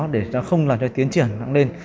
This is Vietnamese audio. để nó không làm cho tiến triển nặng lên